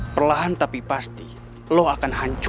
perlahan tapi pasti lo akan hancur